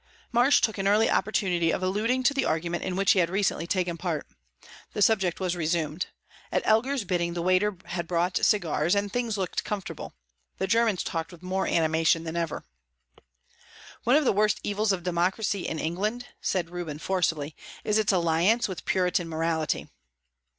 Marsh took an early opportunity of alluding to the argument in which he had recently taken part. The subject was resumed. At Elgar's bidding the waiter had brought cigars, and things looked comfortable; the Germans talked with more animation than ever. "One of the worst evils of democracy in England," said Reuben, forcibly, "is its alliance with Puritan morality."